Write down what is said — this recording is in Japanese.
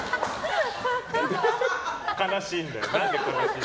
悲しいんだよな。